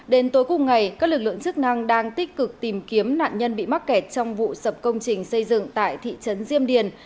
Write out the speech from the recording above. đến tối cùng ngày các lực lượng chức năng đang tích cực tìm kiếm nạn nhân bị mắc kẹt trong vụ sập công trình xây dựng tại thị trấn diêm điền